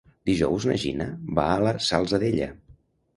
Dijous na Gina va a la Salzadella.